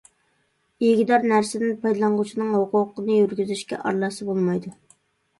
ئىگىدار نەرسىدىن پايدىلانغۇچىنىڭ ھوقۇقىنى يۈرگۈزۈشىگە ئارىلاشسا بولمايدۇ.